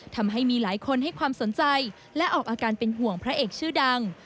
ทำให้มีหลายคนให้ความสนใจและออกอาการเป็นห่วงพระเอกชื่อดัง